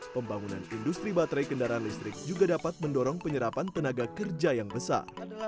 pembangunan industri baterai kendaraan listrik juga dapat mendorong penyerapan tenaga kerja yang besar